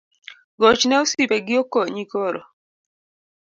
Gochne osipe gi okonyi koro